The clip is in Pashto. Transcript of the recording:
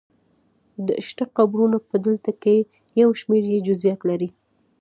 د شته قبرونو په ډله کې یو شمېر یې جزییات لري.